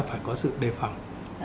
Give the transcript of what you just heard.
phải có sự đề phòng